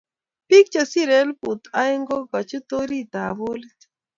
Bik che siri elput aeng kokochut orit ab holit